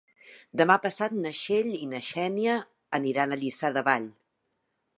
Demà passat na Txell i na Xènia aniran a Lliçà de Vall.